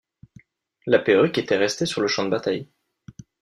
La perruque était restée sur le champ de bataille.